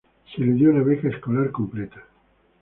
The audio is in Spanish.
Se le dio una beca escolar completa.